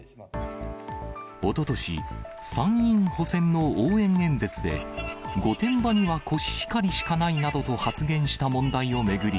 おととし、参院補選の応援演説で、御殿場にはコシヒカリしかないなどと発言した問題を巡り、